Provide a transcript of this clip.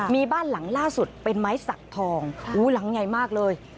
มีบ้านหลังล่าสุดเป็นไม้สักทองหลังใหญ่มากเลย